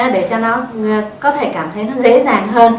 để cho nó có thể cảm thấy nó dễ dàng hơn